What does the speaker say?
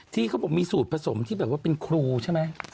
ที่เขาบอกมีสูตรผสมที่แบบว่าเป็นครูใช่ไหม